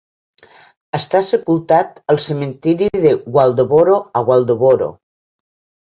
Està sepultat al cementiri de Waldoboro, a Waldoboro.